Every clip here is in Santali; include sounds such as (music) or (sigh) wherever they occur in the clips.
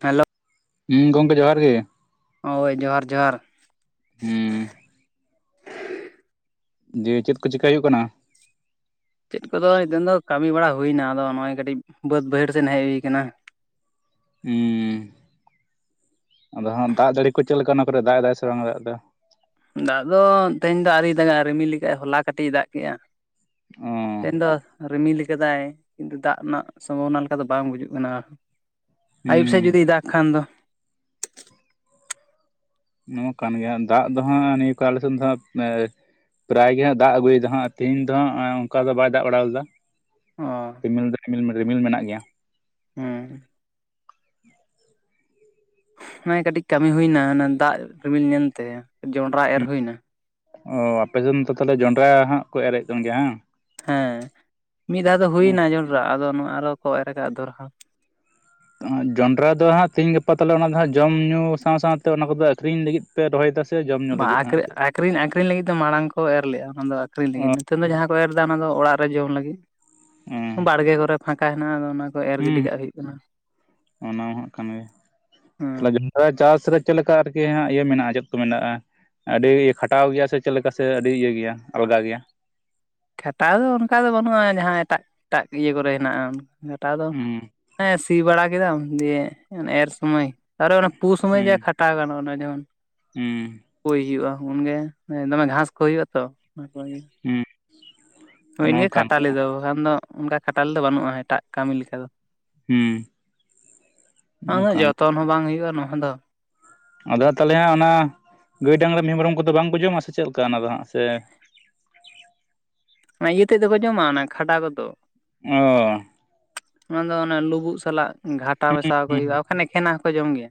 ᱦᱮᱞᱳ᱾ ᱦᱩᱸᱢ ᱜᱚᱝᱠᱮ ᱡᱚᱦᱟᱨ ᱜᱤ᱾ ᱦᱳᱭ ᱡᱚᱦᱟᱨ ᱡᱚᱦᱟᱨ᱾ ᱦᱩᱢᱻ᱾ ᱫᱤᱭᱮ, ᱪᱮᱫ ᱠᱚ ᱪᱤᱠᱟᱹᱭ ᱦᱩᱭᱩᱜ ᱠᱟᱱᱟ? ᱪᱮᱫ ᱠᱚᱫᱚ ᱱᱤᱛᱝ ᱫᱚ ᱠᱟᱹᱢᱤ ᱵᱟᱲᱟ ᱦᱩᱭ ᱱᱟ ᱟᱫᱚ ᱱᱚᱜ ᱚᱭ ᱠᱟᱹᱴᱤᱡ ᱵᱟᱹᱫᱽ ᱵᱟᱹᱭᱦᱟᱹᱲ ᱥᱮᱱ ᱦᱮᱡ ᱦᱩᱭ ᱠᱟᱱᱟ᱾ ᱦᱸᱻ, ᱟᱫᱚ ᱦᱟᱸᱜ ᱫᱟᱜ ᱡᱟᱲᱤ ᱠᱚ ᱪᱮ ᱞᱮᱠᱟ ᱚᱱᱟ ᱠᱚᱨᱮ ᱫᱟᱜ ᱮᱫᱟᱭ ᱥᱮ ᱵᱟᱝ ᱫᱟᱜ ᱫᱚ? ᱫᱟᱜ ᱫᱚ ᱛᱮᱦᱮᱧ ᱫᱚ ᱟᱨᱤ ᱫᱟᱜᱟᱭ ᱨᱤᱢᱤᱞ ᱠᱟᱜ ᱟᱭ, ᱦᱚᱞᱟ ᱠᱟᱹᱴᱤᱡ ᱮ ᱫᱟᱜ ᱠᱮᱜ-ᱟ᱾ ᱚ ᱛᱮᱦᱮᱱ ᱫᱚ, ᱨᱤᱢᱤᱞ ᱠᱟᱫᱟᱭ᱾ ᱫᱟᱜ ᱨᱮᱱᱟᱜ ᱥᱚᱢᱵᱷᱚᱵᱚᱱᱟ ᱞᱮᱠᱟ ᱫᱚ ᱵᱟᱝ ᱵᱩᱡᱩᱜ ᱠᱟᱱᱟ, ᱟᱹᱭᱩᱵ ᱦᱩᱸ ᱥᱮᱡ ᱡᱩᱫᱤᱭ ᱫᱟᱜ ᱠᱷᱟᱱ ᱫᱚ᱾ ᱱᱟ ᱢᱟ ᱠᱟᱱ ᱜᱮᱭᱟ ᱫᱟᱜ ᱫᱚ ᱦᱟᱸᱜ ᱱᱤᱭᱟᱹ ᱠᱚ ᱟᱞᱮ ᱥᱮᱫ ᱫᱚ ᱦᱟᱸᱜ ᱮ ᱯᱨᱟᱭ ᱜᱮ ᱦᱟᱸᱜ ᱫᱟᱜ ᱟᱹᱜᱩᱭ ᱮᱫ ᱨᱮ ᱦᱚᱸ ᱛᱮᱦᱤᱧ ᱫᱚ ᱦᱚᱸᱜ-ᱚᱭ ᱚᱱᱠᱟ ᱫᱚ ᱵᱟᱭ ᱫᱟᱜ ᱵᱟᱲᱟ ᱞᱮᱫᱟ᱾ ᱚ ᱨᱤᱢᱤᱞ ᱫᱚᱜ ᱨᱤᱢᱤᱞ ᱨᱤᱢᱤᱞ ᱢᱮᱱᱟᱜ ᱜᱮᱭᱟ᱾ ᱦᱩᱸ᱾ ᱱᱚᱜ-ᱚᱭ ᱠᱟᱹᱴᱤᱡ ᱠᱟᱹᱢᱤ ᱦᱩᱭᱱᱟ ᱚᱱᱟ ᱫᱟᱜ ᱨᱤᱢᱤᱞ ᱧᱮᱞᱛᱮ, ᱡᱚᱱᱰᱨᱟ ᱮᱨ ᱦᱩᱭᱱᱟ᱾ ᱚ, ᱟᱯᱮ ᱥᱮᱱ ᱫᱚ ᱛᱟᱦᱚᱞᱮ ᱡᱚᱱᱰᱨᱟ ᱦᱟᱸᱜ ᱠᱚ ᱮᱨᱮᱜ ᱠᱟᱱ ᱜᱮᱭᱟ ᱦᱮᱻ? ᱦᱮᱸ, ᱢᱤᱫ ᱫᱷᱟᱣ ᱫᱚ ᱦᱩᱭᱱᱟ ᱡᱚᱸᱰᱨᱟ ᱟᱫᱚ ᱱᱚᱣᱟ ᱟᱨᱚ ᱠᱚ ᱮᱨ ᱠᱟᱜ ᱫᱚᱬᱦᱟ᱾ ᱡᱚᱸᱚᱱᱰᱨᱟ ᱫᱚ ᱦᱟᱸᱜ ᱛᱮᱦᱧ ᱜᱟᱯᱟ ᱛᱟᱞᱮ ᱚᱱᱟ ᱫᱚ ᱦᱟᱸᱜ ᱡᱚᱢ ᱧᱩ ᱥᱟᱶ ᱥᱟᱶᱛᱮ ᱚᱱᱟ ᱠᱚᱫᱚ ᱟᱹᱠᱷᱨᱤᱧ ᱞᱟᱹᱜᱤᱫ ᱯᱮ ᱨᱚᱦᱚᱭᱮᱫᱟ ᱥᱮ ᱡᱚᱢ ᱧᱩ ᱵᱟ ᱞᱟᱹᱜᱤᱫ ᱦᱟᱸᱜ? ᱟᱠᱷᱨᱤᱧ ᱟᱠᱷᱨᱤᱧ ᱟᱠᱷᱨᱤᱧ ᱞᱟᱹᱜᱤᱫ ᱫᱚ ᱢᱟᱲᱟᱝ ᱠᱚ ᱮᱨ ᱞᱮᱫ-ᱟ ᱚᱱᱟ ᱫᱚ ᱟᱠᱠᱷᱨᱤᱧ ᱚ ᱞᱟᱹᱜᱤᱫ, ᱱᱤᱛᱝ ᱫᱚ ᱡᱟᱦᱟᱸ ᱠᱚ ᱮᱨ ᱫᱟ ᱚᱱᱟ ᱫᱚ ᱚᱲᱟᱜ ᱨᱮ ᱡᱚᱢ ᱞᱟᱹᱜᱤᱫ, ᱦᱩᱸ ᱵᱟᱲᱜᱮ ᱠᱚᱨᱮ ᱯᱷᱟᱸᱠᱟ ᱦᱮᱱᱟᱜᱼᱟ ᱟᱫᱚ ᱚᱱᱟ ᱮᱨ ᱜᱤᱰᱤ ᱦᱩᱸ ᱠᱟᱜ ᱦᱩᱭᱩᱜ ᱠᱟᱱᱟ, ᱚᱱᱟ ᱢᱟ ᱦᱟᱸᱜ ᱠᱟᱱ ᱜᱮ ᱦᱩᱸ᱾ ᱛᱟᱦᱚᱞᱮ ᱡᱚᱱᱰᱨᱟ ᱪᱟᱥ ᱨᱮ ᱪᱮᱫ ᱞᱮᱠᱟ ᱟᱨᱠᱤ ᱦᱟᱸᱜ ᱤᱭᱟᱹ ᱢᱮᱱᱟᱜᱼᱟ ᱪᱮᱫ ᱠᱚ ᱢᱮᱱᱟᱜᱼᱟ᱾ ᱟᱹᱰᱤ ᱜᱮ ᱠᱷᱟᱴᱟᱣ ᱜᱮᱭᱟ ᱥᱮ ᱪᱮᱫ ᱞᱮᱠᱟ ᱥᱮ ᱟᱹᱰᱤ ᱤᱭᱟᱹ ᱜᱮᱭᱟ ᱟᱞᱜᱟ ᱜᱮᱭᱟ? ᱠᱷᱟᱴᱟᱣ ᱫᱚ ᱚᱱᱠᱟ ᱫᱚ ᱵᱟᱹᱱᱩᱜᱼᱟ ᱡᱟᱦᱟᱸ ᱮᱴᱟᱜ ᱮᱴᱟᱜ ᱤᱭᱟᱹ ᱠᱚᱨᱮ ᱦᱮᱱᱟᱜᱼᱟ, ᱠᱷᱟᱴᱟᱣ ᱫᱚ ᱦᱩᱸ ᱦᱮᱸ ᱥᱤ ᱵᱟᱲᱟ ᱠᱮᱫᱟᱢ ᱫᱤᱭᱮ ᱮᱨ ᱥᱩᱚᱢᱚᱭ ᱟᱨ ᱚᱱᱮ ᱯᱩ ᱥᱚᱢᱚᱭ ᱡᱟ ᱠᱷᱟ ᱴᱟ ᱜᱟᱱᱚᱜ-ᱟ ᱚᱱᱟ ᱡᱮᱢᱚᱱ ᱩᱢ᱾ ᱯᱩᱭ ᱦᱩᱭᱩᱜ-ᱟ ᱩᱱᱜᱮ ᱫᱚᱢᱮ ᱜᱷᱟᱸᱥ ᱠᱚ ᱦᱩᱭᱩᱜ-ᱟ ᱛᱚ, ᱚᱱᱟ ᱠᱚᱮᱜ᱾ ᱦᱳᱭ ᱦᱩᱸ ᱤᱱᱟᱹ ᱚᱱᱠᱟᱱ ᱠᱷᱟᱴᱟᱞᱮ ᱜᱮᱭᱟ ᱫᱚ ᱵᱟᱠᱷᱟᱱ ᱫᱚ ᱚᱱᱠᱟ ᱠᱷᱟᱴᱟᱞᱮ ᱫᱚ ᱵᱟᱹᱱᱩᱜ-ᱟ, ᱮᱴᱟᱜ ᱠᱟᱹᱢᱤ ᱞᱮᱠᱟ ᱫᱚ᱾ ᱦᱩᱢ, ᱚᱱᱠᱟᱱ᱾ ᱛᱚᱱ ᱦᱚᱸ ᱵᱟᱝ ᱦᱩᱭᱩᱜᱼᱟ ᱱᱚᱣᱟ ᱫᱚ᱾ ᱟᱫᱚ ᱛᱟᱦᱚᱞᱮ ᱦᱟᱸᱜ ᱚᱱᱟ ᱜᱟᱹᱭ ᱰᱟᱝᱨᱟ ᱢᱤᱦᱩ ᱢᱮ ᱚᱢ ᱠᱚᱫᱚ ᱵᱟᱝᱠᱚ ᱡᱚᱢᱟ ᱥᱮ ᱪᱮᱫᱮ ᱞᱮᱠᱟ ᱚᱱᱟ ᱫᱚ ᱦᱟᱸᱜ? ᱥᱮ? ᱚᱱᱟ ᱤᱭᱟᱹ ᱛᱮᱫ ᱫᱚᱠᱚ ᱡᱚᱢᱟ ᱚᱱᱟ ᱠᱷᱟᱰᱟ ᱠᱚᱫᱚ᱾ ᱚᱸ ᱚᱱᱟ ᱫᱚ ᱚᱱᱮ ᱞᱩᱵᱩᱜ ᱥᱟᱞᱟᱜ ᱜᱷᱟᱴᱟ ᱢᱮᱥᱟ ᱠᱚ ᱦᱩᱸ ᱦᱩᱭᱩᱜᱼᱟ᱾ ᱵᱟᱠᱷᱟᱱ ᱮᱠᱷᱮᱱ ᱦᱚᱸᱠᱚ ᱡᱚᱢ ᱜᱮᱭᱟ᱾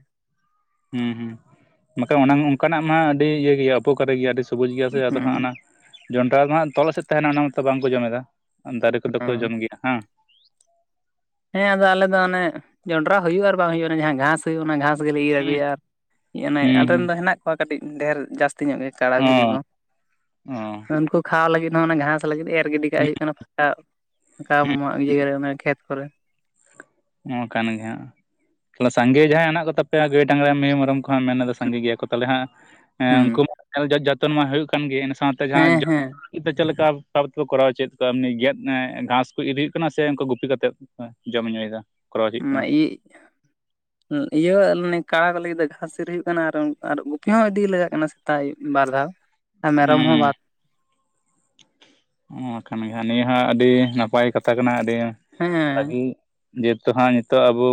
ᱦᱸ ᱦᱸ ᱵᱟᱠᱷᱟᱱ ᱚᱱᱟ ᱚᱱᱠᱟᱱᱟᱜ ᱢᱟ ᱟᱹᱰᱤ ᱤᱭᱟᱹ ᱜᱮᱭᱟ ᱩᱯᱚᱠᱟᱨᱮ ᱜᱮᱭᱟ᱾ ᱟᱹᱰᱤ ᱥᱚᱵᱩᱡᱽ ᱜᱮᱭᱟ ᱥᱮ ᱟᱫᱚ ᱦᱩᱸ ᱦᱟᱸᱜ᱾ ᱚᱱᱟ ᱡᱚᱱᱰᱨᱟ ᱫᱚ ᱦᱟᱸᱜ ᱛᱚᱞᱚ ᱥᱮᱫ ᱛᱟᱦᱮᱱᱟ᱾ ᱚᱱᱟ ᱢᱟᱛᱚ ᱵᱟᱝ ᱠᱚ ᱡᱚᱢᱮᱫᱟ᱾ ᱫᱟᱨᱮ ᱠᱚᱫᱚ ᱠᱚ ᱦᱮᱸ ᱡᱚᱢ ᱜᱮᱭᱟ ᱦᱮᱸ᱾ ᱦᱮᱸ ᱟᱫᱚ ᱟᱞᱮ ᱫᱚ ᱚᱱᱮ ᱡᱚᱱᱰᱨᱟ ᱦᱩᱭᱩᱜᱼᱟ ᱟᱨ ᱵᱟᱝ ᱦᱩᱭᱩᱜᱼᱟ᱾ ᱡᱟᱦᱟᱸ ᱜᱷᱟᱥ ᱦᱩᱭᱩᱜ ᱚᱱᱟ ᱜᱷᱟᱥ ᱜᱮᱞᱮ ᱤᱨ ᱦᱩᱸ ᱟᱹᱜᱩᱭᱟ ᱚᱱᱮ ᱦᱩᱸ ᱦᱩᱸ ᱟᱞᱮᱨᱮᱱ ᱫᱚ ᱦᱮᱱᱟᱜ ᱠᱚᱣᱟ ᱠᱟᱹᱴᱤᱡ ᱰᱷᱮᱨ ᱡᱟᱹᱥᱛᱤ ᱧᱚᱜ ᱜᱮ ᱠᱟᱲᱟ ᱵᱷᱤᱨᱤ ᱚ ᱠᱚ ᱚ ᱩᱱᱠᱩ ᱠᱷᱟᱣᱟᱣ ᱞᱟᱹᱜᱤᱫ ᱦᱚᱸ ᱚᱱᱟ ᱜᱷᱟᱸᱥ ᱞᱟᱹᱜᱤᱫ ᱮ ᱜᱤᱰᱤ ᱠᱟᱜ ᱦᱩᱭᱩᱜ ᱠᱟᱱᱟ ᱯᱷᱟᱸᱠᱟ ᱯᱷᱟᱸᱠᱟ ᱢᱟᱜ ᱤᱭᱟᱹ ᱨᱮ ᱠᱷᱮᱛ ᱠᱚᱨᱮ ᱱᱚ ᱠᱟᱱ ᱜᱮ ᱦᱟᱸᱜ ᱛᱟᱦᱮ ᱥᱟᱸᱜᱮ ᱡᱟᱦᱟᱸᱭ ᱦᱮᱱᱟᱜ ᱠᱚᱛᱟᱯᱮᱭᱟ ᱜᱟᱹᱭ ᱰᱟᱝᱨᱟ ᱢᱤᱦᱩ ᱢᱮᱨᱚᱢ ᱠᱚᱦᱟᱸᱜ ᱢᱮᱱᱮᱫᱟ ᱥᱟᱸᱜᱮ ᱜᱮᱭᱟ ᱠᱚ ᱛᱟᱦᱚᱞᱮ ᱦᱟᱸᱜ ᱦᱩᱸ ᱩᱱᱠᱩ ᱢᱟ ᱧᱮᱞ ᱡᱚᱜ ᱡᱚᱛᱚᱱ ᱢᱟ ᱦᱩᱭᱩᱜ ᱠᱟᱱ ᱜᱮ ᱤᱱᱟᱹ ᱥᱟᱶᱛᱮ ᱡᱟᱦᱟᱸ ᱦᱮᱸ ᱦᱮᱸ ᱪᱮᱫ ᱞᱮᱠᱟ ᱵᱷᱟᱵ ᱛᱮᱠᱚ ᱠᱚᱨᱟᱣ ᱦᱚᱪᱚᱭᱮᱫ ᱠᱚᱣᱟ ᱮᱢᱱᱤ ᱜᱮᱫ ᱜᱷᱟᱸᱥ ᱠᱚ ᱤᱨ ᱦᱩᱭᱩᱜ ᱠᱟᱱᱟ ᱥᱮ ᱜᱩᱯᱤ ᱠᱟᱛᱮᱫ ᱡᱚᱢ ᱧᱩᱭᱮᱫᱟ ᱠᱚᱨᱟᱣ ᱦᱚᱪᱚᱭᱮᱫ ᱠᱟᱱᱟ (unintelligible) ᱤᱭᱟᱹᱮ ᱠᱟᱲ ᱠᱚ ᱞᱟᱹᱜᱤᱫ ᱫᱚ ᱜᱷᱟᱥ ᱤᱨ ᱦᱩᱭᱩᱜ ᱠᱟᱱᱟ ᱟᱨ ᱟᱨ ᱜᱩᱯᱤ ᱦᱚᱸ ᱤᱫᱤ ᱞᱟᱜᱟᱜ ᱠᱟᱱᱟ ᱥᱮᱛᱟᱜ ᱟᱹᱩᱵ ᱵᱟᱨ ᱫᱷᱟᱣ ᱟᱨ ᱢᱮᱨᱚᱢ ᱦᱚᱸ ᱵᱟᱨ ᱦᱩᱸ ᱚᱱᱟ ᱠᱷᱟᱱ ᱜᱮ ᱱᱤᱭᱟᱹ ᱦᱚᱸ ᱟᱹᱰᱤ ᱱᱟᱯᱟᱭ ᱠᱟᱛᱷᱟ ᱠᱟᱱᱟ ᱟᱹᱰᱤ ᱦᱮᱸ ᱦᱮᱸ ᱵᱷᱟᱹᱜᱤ ᱡᱮᱦᱮᱛᱩ ᱦᱟᱸᱜ ᱱᱤᱛᱚᱜ ᱟᱵᱚ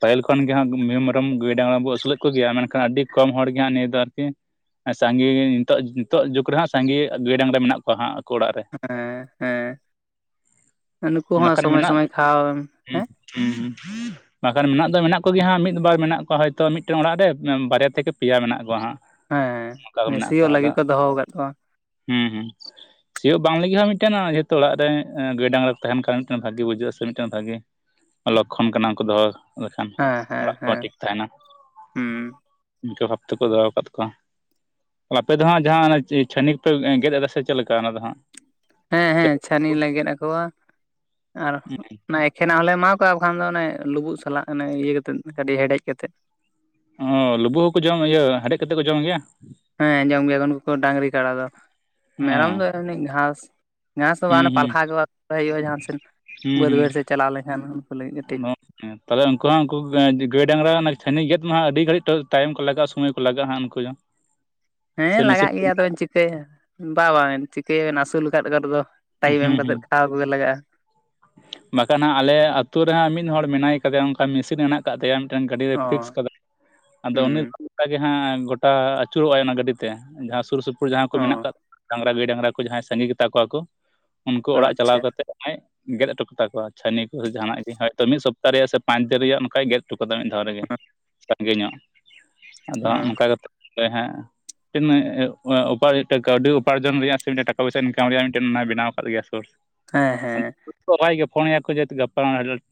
ᱯᱟᱹᱦᱤᱞ ᱠᱷᱚᱱ ᱜᱮ ᱦᱟᱸᱜ ᱢᱤᱦᱩ ᱢᱮᱨᱚᱢ ᱜᱟᱹᱭᱼ ᱰᱟᱝᱨᱟ ᱵᱚᱱ ᱟᱹᱥᱩᱞᱮᱫ ᱠᱚᱜᱮᱭᱟ ᱢᱮᱱᱠᱷᱟᱱ ᱟᱹᱰᱤ ᱠᱚᱢ ᱦᱚᱲ ᱜᱮ ᱱᱤᱭᱟᱹ ᱫᱚ ᱟᱨᱠᱤ ᱮᱸ ᱥᱟᱸᱜᱮ ᱱᱤᱛᱚᱜ ᱱᱤᱛᱚᱜ ᱡᱩᱜᱽ ᱨᱮᱦᱟᱸᱜ ᱥᱟᱸᱜᱮ ᱜᱟᱹᱭ ᱰᱟᱝᱨᱟ ᱢᱮᱱᱟᱜ ᱠᱚᱣᱟᱸᱜ ᱦᱟᱸᱜ ᱟᱠᱚ ᱚᱲᱟᱜ ᱨᱮ ᱦᱮᱸ ᱦᱮᱸ ᱱᱩᱠᱩ ᱦᱚᱸ ᱵᱟᱠᱷᱟᱱ ᱥᱚᱢᱚᱭ ᱢᱮᱱᱟᱜ ᱥᱚᱢᱚᱭ ᱠᱷᱟᱣᱟ ᱮᱢ ᱦᱮᱸ (unintelligible) ᱵᱟᱠᱷᱟᱱ ᱢᱮᱱᱟᱜ ᱫᱚ ᱢᱮᱱᱟᱜ ᱠᱚᱜᱮ ᱦᱟᱸᱜ ᱢᱤᱫ ᱵᱟᱨ ᱢᱮᱱᱟᱜ ᱠᱚᱣᱟ ᱦᱚᱭᱛᱳ ᱢᱤᱫ ᱴᱮᱱ ᱚᱲᱟᱜ ᱨᱮ ᱵᱟᱨᱭᱟ ᱛᱷᱮᱠᱮ ᱯᱮᱭᱟ ᱢᱮᱱᱟᱜ ᱠᱚᱣᱟ ᱦᱟᱸᱜ ᱚᱱᱠᱟ ᱜᱮ ᱦᱮᱸ ᱢᱮᱱᱟᱜ ᱠᱚᱣᱟ ᱥᱤᱭᱳᱜ ᱞᱟᱹᱜᱤᱫ ᱟᱫᱚ ᱠᱚ ᱫᱚᱦᱚ ᱟᱠᱟᱫ ᱠᱚᱣᱟ ᱦᱩᱸ ᱦᱩᱸ ᱥᱤᱭᱚᱜ ᱵᱟᱝᱞ ᱤᱦᱟᱹ ᱢᱤᱫ ᱴᱟᱝ ᱡᱮᱦᱮᱛᱩ ᱚᱲᱟᱜ ᱨᱮ ᱜᱟᱹᱭ ᱰᱟᱝᱨᱟ ᱠᱚ ᱛᱟᱦᱮᱱ ᱠᱷᱟᱱ ᱵᱷᱟᱜᱤ ᱵᱩᱡᱟᱹᱜ ᱥᱮ ᱢᱤᱫ ᱴᱟᱝ ᱵᱷᱟᱜᱮ ᱞᱚᱠᱠᱷᱚᱱ ᱠᱟᱱᱟ ᱩᱱ ᱠᱚ ᱫᱚᱦᱚ ᱞᱮᱠᱷᱟᱱ ᱦᱮᱸ ᱦᱮᱸ ᱚᱲᱟᱜ ᱠᱚᱦᱚᱸ ᱦᱮᱸ ᱴᱷᱤᱠ ᱛᱟᱦᱮᱱᱟ ᱦᱩᱸ ᱤᱱᱠᱟᱹ ᱵᱷᱟᱵ ᱛᱮᱠᱚ ᱫᱚᱦᱚ ᱟᱠᱟᱫ ᱠᱚᱣᱟ ᱟᱯᱮ ᱫᱚ ᱦᱟᱸᱜ ᱡᱟᱦᱟᱸ ᱪᱷᱟᱹᱱᱤ ᱠᱚᱯᱮ ᱜᱮᱫ ᱮᱫᱟ ᱥᱮ ᱪᱮᱫ ᱞᱮᱠᱟ ᱚᱱᱟ ᱫᱚ ᱦᱟᱸᱜ ᱦᱮᱸ ᱦᱮᱸ ᱪᱷᱟᱹᱱᱤ ᱞᱮ ᱜᱮᱫ ᱟᱠᱚᱣᱟ ᱟᱨ ᱚᱱᱟ ᱮᱠᱷᱮᱱᱟᱜ ᱦᱚᱞᱮ ᱮᱢᱟ ᱠᱚ ᱚᱱᱠᱟ ᱵᱟ ᱠᱷᱟᱱ ᱫᱚ ᱚᱱᱮ ᱞᱩᱵᱩᱜ ᱥᱟᱞᱟᱜ ᱚᱱᱮ ᱤᱭᱟᱹ ᱠᱟᱛᱮᱫ ᱠᱟᱹᱴᱤᱡ ᱦᱮᱸᱰᱮᱡ ᱠᱟᱛᱮᱫ ᱚ ᱞᱩᱵᱩᱜ ᱦᱚᱠᱚ ᱡᱚᱢ ᱤᱭᱟᱹ ᱦᱮᱰᱮᱡ ᱠᱟᱛᱮᱫ ᱠᱚ ᱡᱚᱢ ᱜᱮᱭᱟ ᱦᱮᱸ ᱡᱚᱢ ᱜᱮᱭᱟ ᱩᱱᱠᱩ ᱰᱟᱝᱨᱤ ᱠᱟᱰᱟ ᱫᱚ ᱚ ᱢᱮᱨᱚᱢ ᱫᱚ ᱮᱢᱱᱤ ᱜᱷᱟᱥ ᱜᱷᱟᱸᱥᱫᱚ ᱵᱟᱝ ᱦᱩᱸ ᱚᱱᱟ ᱦᱩᱸ ᱯᱟᱞᱦᱟ ᱜᱮ ᱟᱜᱩ ᱦᱩᱭᱩᱜᱼᱟ ᱡᱟᱦᱟᱸᱥᱮᱫ ᱦᱩᱸ ᱵᱟᱹᱫᱽ ᱦᱩᱸ ᱵᱟᱹᱭᱦᱟᱹᱲ ᱥᱮᱫ ᱪᱟᱞᱟᱣ ᱞᱮᱱᱠᱷᱟᱱ ᱩᱱᱠᱩ ᱞᱟᱹᱜᱤᱫ ᱠᱟᱹᱴᱤᱜ ᱦᱮᱸ ᱛᱟᱦᱚᱞᱮ ᱩᱱᱠᱩ ᱦᱚᱸ ᱩᱱᱠᱩ ᱜᱟᱹᱭ ᱰᱟᱝᱨᱟ ᱪᱷᱟᱹᱱᱤ ᱜᱮᱫ ᱢᱟ ᱟᱹᱰᱤ ᱜᱷᱟᱹᱲᱤᱡ ᱴᱟᱹ ᱛᱟᱭᱤᱢ ᱠᱚ ᱞᱟᱜᱼᱟ ᱥᱚᱢᱳᱭ ᱠᱚ ᱞᱟᱜᱼᱟ ᱦᱟᱸᱜ ᱩᱱᱠᱩ ᱫᱚ (inaudible) ᱥᱮ ᱦᱮᱸ ᱢᱮᱥᱤᱱ ᱞᱟᱜᱟᱜ ᱠᱚ ᱜᱮᱭᱟ ᱢᱮᱱᱟᱜ ᱛᱚᱵᱮᱱ ᱠᱟᱫᱟ ᱪᱤᱠᱟᱹᱭᱟ ᱵᱟᱝ ᱵᱟᱝ ᱪᱤᱠᱟᱹᱭᱟ ᱟᱹᱥᱩᱞ ᱟᱠᱟᱫ ᱠᱚ ᱨᱮᱫ ᱫᱚ ᱴᱟᱭᱤᱢ ᱮᱢ ᱦᱩᱸ ᱦᱩᱸ ᱠᱟᱛᱮᱜ ᱠᱷᱟᱣᱟᱣ ᱠᱚᱜᱮ ᱞᱟᱜᱟᱜᱼᱟ ᱵᱟᱠᱷᱟᱱ ᱦᱟᱸᱜ ᱟᱞᱮ ᱟᱛᱩ ᱨᱮᱦᱚ ᱢᱤᱫ ᱦᱚᱲ ᱢᱮᱱᱟᱭ ᱠᱟᱫᱮᱭᱟ ᱚᱱᱠᱟ ᱢᱮᱥᱤᱱ ᱦᱮᱱᱟᱜ ᱟᱠᱟᱫ ᱛᱟᱭᱟ ᱢᱤᱫ ᱴᱮᱱ ᱜᱟᱹᱰᱤ ᱨᱮ ᱚ ᱯᱷᱤᱠᱥ ᱠᱟᱫᱟ ᱟᱫᱚ ᱩᱱᱤ ᱦᱩᱸ ᱚᱱᱠᱟ ᱜᱮ ᱦᱟᱸᱜ ᱜᱚᱴᱟ ᱟᱹᱪᱩᱨᱚᱜᱼ ᱟᱭ ᱚᱱᱟ ᱜᱟᱹᱰᱤ ᱛᱮ ᱡᱟᱦᱟᱸ ᱥᱩᱨ ᱥᱩᱯᱩᱨ ᱡᱟᱦᱟᱸᱭ ᱠᱚ ᱚ ᱢᱮᱱᱟᱜ ᱠᱟᱜ ᱠᱚᱣᱟ ᱰᱟᱝᱨᱟ ᱜᱟᱹᱭ ᱰᱟᱝᱨᱟ ᱠᱚ ᱡᱟᱦᱟᱸᱭ ᱥᱟᱸᱜᱮ ᱜᱮᱛᱟ ᱠᱚᱣᱟ ᱠᱚ ᱩᱱᱠᱩ ᱚᱲᱟᱜ ᱪᱟᱞᱟᱣ ᱟᱪᱪᱷᱟ ᱠᱟᱛᱮ ᱡᱟᱦᱟᱸᱭ ᱜᱮᱫ ᱦᱚᱴᱚ ᱠᱟᱛᱟ ᱠᱚᱣᱟ ᱪᱷᱟᱹᱱᱤ ᱠᱚ ᱥᱮ ᱡᱟᱦᱟᱱᱟᱜ ᱜᱮ ᱦᱳᱭᱛᱚ ᱢᱤᱫ ᱥᱚᱯᱛᱟᱦᱚ ᱨᱮᱭᱟᱜ ᱥᱮ ᱯᱟᱸᱪ ᱫᱤᱱ ᱨᱮᱭᱟᱜ ᱚᱱᱠᱟᱭ ᱜᱮᱫ ᱦᱚᱴᱚ ᱠᱟᱫᱟ ᱢᱤᱫ ᱫᱷᱟᱣ ᱨᱮᱜᱮ ᱨᱮᱸᱜᱮ ᱧᱚᱜ ᱟᱫᱚ ᱚᱱᱠᱟ ᱦᱮᱸ ᱠᱟᱛᱮᱫ ᱛᱮᱦᱮ ᱢᱤᱫ ᱴᱮᱱ ᱩᱯᱟᱹᱭ ᱛᱮ ᱠᱟᱹᱣᱰᱤ ᱩᱯᱟᱨᱡᱚᱱ ᱨᱮᱭᱟᱜ ᱥᱮ ᱢᱤᱫ ᱴᱟᱠᱟ ᱯᱚᱭᱥᱟ ᱤᱱᱠᱟᱢ ᱨᱮᱭᱟᱜ ᱢᱤᱫ ᱴᱮᱱ ᱚᱱᱟᱭ ᱵᱮᱱᱟᱣ ᱟᱠᱟᱫ ᱜᱮᱭᱟ ᱥᱳᱨᱥ ᱦᱮᱸ ᱦᱮᱸ ᱵᱷᱟᱭ ᱜᱮ ᱯᱷᱳᱱᱮᱭᱟ ᱠᱚ ᱡᱮᱦᱮᱛᱩ ᱜᱟᱯᱟ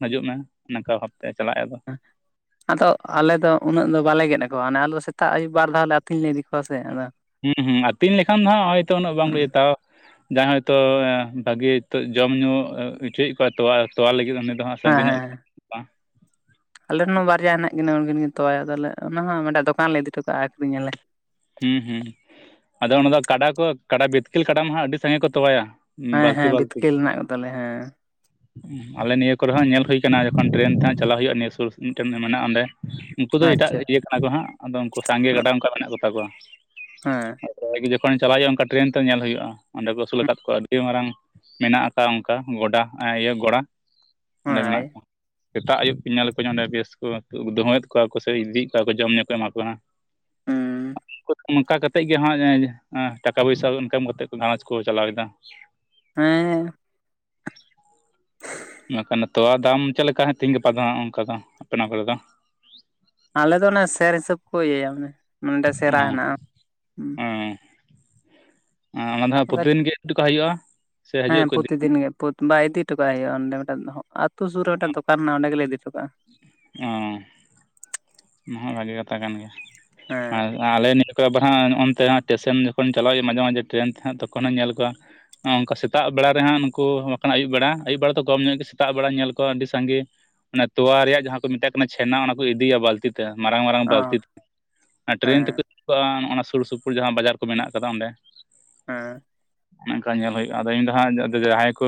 ᱦᱤᱡᱩᱜ ᱢᱮ ᱚᱱᱠᱟ ᱵᱷᱟᱵᱛᱮ ᱪᱟᱞᱟᱜ-ᱟ ᱟᱫᱚ (inaudible) ᱟᱫᱚ ᱟᱞᱮ ᱫᱚ ᱩᱱᱟᱹᱜ ᱫᱚ ᱵᱟᱞᱮ ᱜᱮᱫ ᱟᱠᱚᱣᱟ ᱟᱞᱮ ᱫᱚ ᱥᱮᱛᱟᱜ ᱟᱹᱭᱩᱵ ᱵᱟᱨ ᱫᱷᱟᱣ ᱞᱮ ᱟᱹᱛᱤᱧ ᱞᱮ ᱤᱫᱤ ᱠᱚᱣᱟ ᱥᱮ ᱟᱫᱚ ᱦᱩᱸ ᱦᱩᱸ ᱟᱛᱤᱧ ᱞᱮᱠᱷᱟᱱ ᱦᱟᱸᱜ ᱦᱚᱭᱛᱚ ᱩᱱᱟᱹᱜ ᱵᱟᱝ ᱦᱮᱸ ᱞᱮ ᱡᱚᱛᱟᱣᱟ ᱡᱟᱦᱟᱸᱭ ᱦᱚᱭᱛᱚ ᱵᱷᱟᱜᱤ ᱡᱚᱢ ᱧᱩ ᱚᱪᱚᱭᱮᱫ ᱠᱚᱣᱟ ᱛᱚᱣᱟ ᱛᱳᱣᱟ ᱞᱟᱹᱜᱤᱫ ᱩᱱ ᱫᱚ ᱦᱟᱸᱜ ᱦᱮᱸ ᱥᱟᱺᱜᱤᱧ ᱦᱮᱸ ᱧᱚᱜ ᱟᱞᱮᱨᱮᱱ ᱦᱚᱸ ᱵᱟᱨᱭᱟ ᱦᱮᱱᱟᱜ ᱠᱤᱱᱟᱹ ᱩᱱᱠᱤᱱ ᱠᱤᱱ ᱛᱚᱣᱟᱭ ᱟ ᱛᱟᱦᱚᱞᱮ ᱚᱱᱟ ᱦᱚᱸ ᱢᱤᱫᱴᱮᱱ ᱫᱚᱠᱟᱱ ᱞᱮ ᱤᱫᱤ ᱴᱚᱠᱟᱜᱼᱟ ᱟᱹᱠᱷᱨᱤᱧᱟᱞᱮ ᱦᱩᱸ ᱦᱩᱸ ᱟᱫᱚ ᱚᱱᱟ ᱫᱚ ᱠᱟᱰᱟ. ᱠᱚ ᱠᱟᱰᱟ. ᱵᱤᱛᱠᱤᱞ ᱠᱟᱰᱟ. ᱢᱟᱜ ᱟᱹᱰᱤ ᱥᱟᱸᱜᱮ ᱠᱚ ᱛᱚᱣᱟᱭᱟ ᱦᱮᱸ ᱵᱟᱹᱞᱛᱤ ᱦᱮᱸ ᱵᱟᱹᱞᱛᱤ ᱵᱤᱛᱠᱤᱞ ᱢᱮᱱᱟᱜ ᱠᱚᱛᱟᱞᱮᱭᱟ ᱦᱮᱸ ᱟᱞᱮ ᱱᱤᱭᱟᱹ ᱠᱚᱨᱮ ᱦᱟᱸᱜ ᱧᱮᱞ ᱦᱩᱭ ᱠᱟᱱᱟ ᱡᱚᱠᱷᱚᱱ ᱴᱨᱮᱱ ᱛᱮ ᱦᱟᱸᱜ ᱪᱟᱞᱟᱜ ᱦᱩᱭᱩᱜᱼᱟ ᱱᱤᱭᱟᱹ ᱥᱩᱨ ᱢᱤᱫᱴ ᱢᱮᱱᱟᱜᱼᱟ ᱚᱸᱰᱮ ᱩᱱᱠᱩ ᱫᱚ ᱮᱴᱟᱜ ᱟᱪᱪᱷᱟ ᱤᱭᱟᱹ ᱠᱟᱱᱟ ᱠᱚ ᱦᱟᱸᱜ ᱟᱫᱚ ᱩᱱᱠᱩ ᱥᱟᱸᱜᱮ ᱜᱟᱰᱟ ᱚᱱᱠᱟ ᱢᱮᱱᱟᱜ ᱠᱚᱛᱟ ᱠᱚᱣᱟ ᱦᱮᱸ ᱜᱮ ᱡᱚᱠᱷᱚᱱ ᱪᱟᱞᱟᱜ ᱦᱩᱭᱩᱜᱼᱟ ᱚᱱᱠᱟ ᱴᱨᱮᱱ ᱛᱮ ᱧᱮᱞ ᱦᱩᱭᱩᱜᱼᱟ ᱚᱸᱰᱮ ᱠᱚ ᱟᱹᱥᱩᱞᱞᱟ ᱟᱠᱟᱫ ᱠᱚᱣᱟ ᱟᱹᱰᱤ ᱢᱟᱨᱟᱝ ᱢᱮᱱᱟᱜ ᱟᱠᱟᱫ ᱚᱱᱠᱟ ᱜᱚᱰᱟ ᱜᱚᱲᱟ ᱚᱸᱰᱮ ᱦᱳᱭ ᱢᱮᱱᱟᱜ ᱠᱚᱣᱟ, ᱥᱮᱛᱟᱜ, ᱟᱹᱩᱵ, ᱠᱚ ᱧᱮᱞ ᱠᱚᱣᱟ ᱱᱚᱸᱰᱮ ᱵᱮᱥ ᱠᱚ ᱫᱷᱩᱦᱚᱭᱮᱫ ᱠᱚᱣᱟ ᱠᱚ ᱥᱮ ᱤᱫᱤᱭᱮᱫ ᱠᱚᱣᱟ ᱠᱚ ᱡᱚᱢᱧᱩ ᱠᱚ ᱮᱢᱟ ᱠᱚᱣᱟ᱾ ᱦᱮᱸ᱾ ᱚᱱᱠᱟ ᱠᱟ ᱠᱟᱛᱮᱫ ᱜᱮ ᱦᱟᱸᱜ ᱴᱟᱠᱟ, ᱯᱚᱭᱥᱟ, ᱤᱱᱠᱟᱢ ᱠᱟ ᱠᱟᱛᱮᱫ ᱜᱷᱟᱷᱟᱨᱚᱸᱡᱽ ᱠᱚ ᱪᱟᱞᱟᱣᱮᱫᱟ᱾ ᱦᱮᱸ᱾ ᱵᱟᱠᱷᱟᱱ ᱛᱚᱣᱟ ᱫᱟᱢ ᱪᱮᱫ ᱞᱮᱠᱟ ᱛᱮᱦᱮᱧ ᱜᱟᱯᱟ ᱫᱚ ᱦᱟᱜ ᱚᱱᱠᱟ ᱫᱚ ᱟᱯᱮᱱᱟ ᱠᱚᱨᱮ ᱫᱚ᱾ ᱟᱞᱮ ᱫᱚ ᱚᱱᱮ ᱥᱮᱨ ᱦᱤᱥᱟᱹᱵ ᱠᱚ ᱤᱭᱟᱹᱭᱟ, ᱮ ᱱᱚᱰᱮ ᱥᱮᱨᱟ ᱚ ᱦᱮᱱᱟᱜᱼᱟ᱾ ᱦᱚᱸ᱾ ᱚᱱᱟ ᱫᱚ ᱦᱟᱸᱜ ᱯᱨᱚᱛᱤ ᱫᱤᱱ ᱜᱮ ᱤᱫ ᱦᱚᱴᱚ ᱠᱟᱜ ᱦᱩᱭᱩᱜᱼᱟ᱾ ᱥᱮ ᱦᱤᱡᱩᱜ ᱦᱮᱸ᱾ ᱟᱠᱚ ᱤᱫᱤ ᱯᱨᱚᱛᱤᱤᱫᱤᱱ ᱜᱮ ᱵ ᱤᱫᱤ ᱦᱚᱴᱚ ᱠᱟᱜ ᱦᱮ ᱯᱚᱨᱛᱤ ᱫᱤᱱ ᱜᱮ ᱯᱚᱨᱤ ᱵᱟᱝ ᱤᱫᱤ ᱦᱚᱴ ᱠᱟ. ᱝ ᱦᱩᱭᱩᱜᱼᱟ ᱚᱸᱰᱮ ᱢᱤᱫᱴᱮᱱ ᱟᱛᱳ ᱥᱩᱨ ᱨᱮ ᱢᱤᱫᱴᱟᱝ ᱫᱚᱠᱟᱱ ᱢᱮᱱᱟᱜᱼᱟᱸᱚᱰᱮ ᱜᱮᱞᱮ ᱤᱫᱤ ᱦᱚᱴᱠᱟᱜᱼᱟ᱾ ᱚᱸ ᱚᱱᱟ ᱦᱚᱸ ᱵᱷᱟᱜᱮ ᱠᱟᱛᱷᱟ ᱠᱟᱱ ᱜᱮᱭᱟ, ᱟᱨ ᱦᱮᱸ ᱟᱞᱮ ᱱᱤᱭᱟᱹ ᱠᱚ ᱟᱵᱟᱨ ᱦᱟᱸᱜ ᱚᱱᱛᱮᱟᱜ ᱴᱮᱥᱮᱱ ᱡᱚᱠᱷᱚᱱ ᱪᱟᱞᱟᱜᱣ ᱦᱩᱭᱩᱜᱼᱟ ᱢᱟᱡᱷᱮᱼᱢᱟᱡᱷᱮ ᱴᱨᱮᱱ ᱛᱮᱦᱜ ᱛᱚᱠᱷᱚᱱ ᱦᱚᱸᱧ ᱧᱮᱞ ᱠᱚᱣᱟ ᱚᱱᱠᱟ ᱥᱮᱛᱟᱜ ᱵᱮᱲᱟ ᱨᱮᱦᱟᱸᱜ ᱱᱩᱠᱩ ᱵᱮᱲᱟ ᱟᱹᱭᱩᱵ ᱵᱮᱲᱟ ᱫᱚ ᱠᱚᱢ ᱧᱚᱜ ᱜᱮ ᱥᱮᱛᱟᱜ ᱵᱮᱲᱟ ᱧᱮᱞ ᱠᱚ ᱟᱹᱰᱤ ᱥᱟᱸᱜᱮ ᱚᱱᱮ ᱛᱚᱣᱟ ᱨᱮᱭᱟᱜ ᱡᱟᱦᱟᱸ ᱠᱚ ᱢᱮᱛᱟᱜ ᱠᱟᱱᱟ, ᱪᱷᱮᱱᱟ ᱚᱱᱟ ᱠᱚ ᱤᱫᱤᱭᱟ ᱵᱟᱹᱛᱤᱛᱮ, ᱢᱟᱨᱟᱝ - ᱢᱟᱨᱟᱝ ᱚ ᱵᱟᱹᱛᱤ ᱛᱮ ᱴᱨᱮᱹᱱ ᱦᱮᱸ ᱛᱮᱠᱚᱜᱼᱟ ᱚᱱᱟ ᱥᱩᱨ, ᱥᱩᱯᱩᱨ ᱡᱟᱦᱟᱸ ᱵᱟᱡᱟᱨ ᱠᱚ ᱢᱮᱱᱟᱜ ᱠᱟᱫᱟ ᱚᱸᱰᱮ᱾ ᱦᱮᱸ᱾ ᱚᱱᱚᱠᱟ ᱧᱮᱞ ᱦᱩᱭᱩᱜᱼᱟ, ᱟᱫᱚ ᱤᱧ ᱫᱚ ᱦᱟᱸᱡᱟᱦᱟᱸᱭ ᱠᱚ